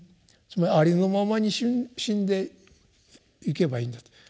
つまりありのままに死んでいけばいいんだと。